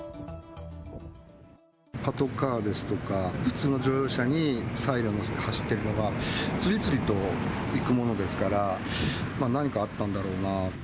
パトカーですとか、普通の乗用車にサイレン載せて走っているのが、次々と行くものですから、何かあったんだろうなと。